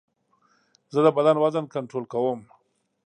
زه د بدن وزن کنټرول کوم.